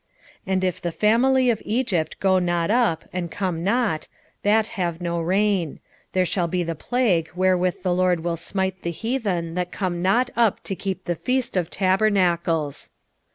14:18 And if the family of Egypt go not up, and come not, that have no rain; there shall be the plague, wherewith the LORD will smite the heathen that come not up to keep the feast of tabernacles.